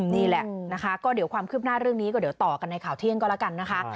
นี่แหละความเคลือบหน้าเรื่องนี้ก็ต่อกันในข่าวเที่ยงก็แล้วกันนะครับ